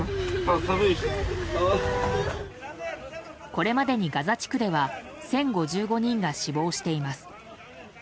これまでにガザ地区では１０５５人が死亡しています。